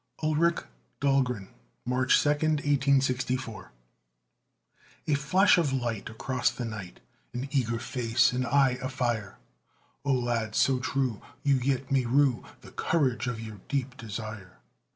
ULRIC DAHLGREN [March 2, 1864] A flash of light across the night, An eager face, an eye afire! O lad so true, you yet may rue The courage of your deep desire!